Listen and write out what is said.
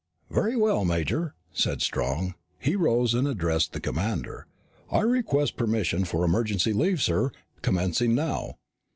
"Very well, Major," said Strong. He rose and addressed the commander. "I request permission for emergency leave, sir, commencing now."